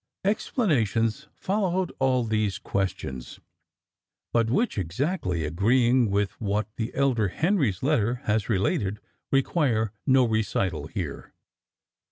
Explanations followed all these questions; but which, exactly agreeing with what the elder Henry's letter has related, require no recital here.